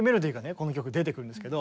この曲出てくるんですけど。